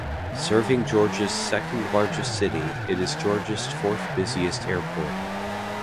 Serving Georgia's second largest city, it is Georgia's fourth busiest airport.